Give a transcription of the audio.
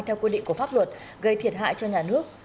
theo quy định của pháp luật gây thiệt hại cho nhà nước